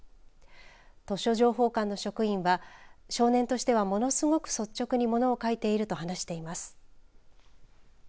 図書情報館の職員は少年としてはものすごく率直にものを書いていると話しています。